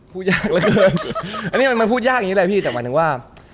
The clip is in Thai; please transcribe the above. พูดยากเหลือเกินอันนี้มันพูดยากอย่างนี้แหละพี่แต่หมายถึงว่า